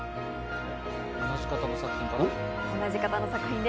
同じ方の作品で。